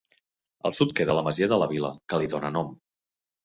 Al sud queda la masia de la Vila que li dóna nom.